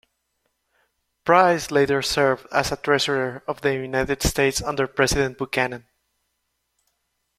Price later served as treasurer of the United States under President Buchanan.